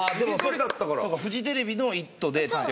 そうかフジテレビの『イット！』でってことか。